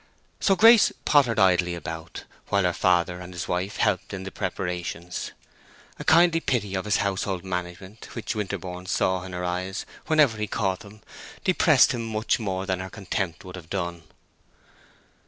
So Grace pottered idly about, while her father and his wife helped on the preparations. A kindly pity of his household management, which Winterborne saw in her eyes whenever he caught them, depressed him much more than her contempt would have done.